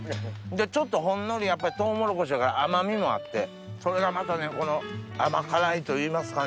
ちょっとほんのりやっぱりトウモロコシやから甘みもあってそれがまたこの甘辛いといいますかね。